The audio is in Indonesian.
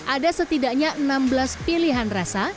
ada setidaknya enam belas pilihan rasa